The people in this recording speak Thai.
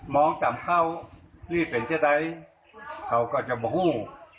มองต่ำเข้านี่เป็นจะได้เขาก็จะมวก